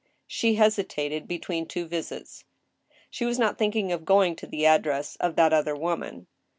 She hesitated between two visits. She was not thinking of going to the address of that other woman.